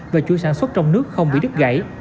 và chui sản xuất trong nước không bị đứt gãy